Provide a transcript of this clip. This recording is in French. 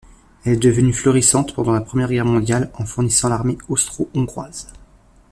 Elle est devenue florissante pendant la Première Guerre mondiale en fournissant l'armée austro-hongroise.